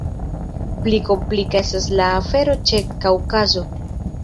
Pli komplika estas la afero ĉe Kaŭkazo.